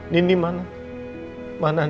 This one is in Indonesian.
tidak ada apa apa